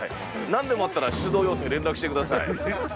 なんでもあったら出動要請連絡してください。